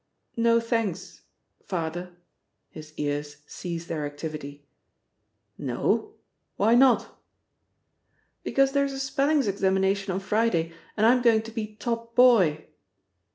"No thanks ... Father." His ears ceased their activity. "No? Why not?" "Because there's a spellings examination on Friday, and I'm going to be top boy."